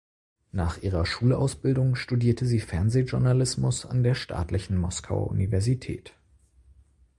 Nach ihrer Schulausbildung studierte sie Fernsehjournalismus an der Staatlichen Moskauer Universität.